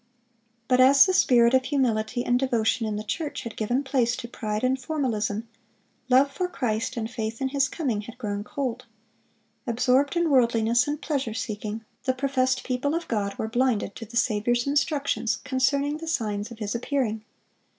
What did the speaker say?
(490) But as the spirit of humility and devotion in the church had given place to pride and formalism, love for Christ and faith in His coming had grown cold. Absorbed in worldliness and pleasure seeking, the professed people of God were blinded to the Saviour's instructions concerning the signs of His appearing.